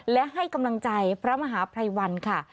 และให้กำลังใจพระมหาภัยวันค่ะ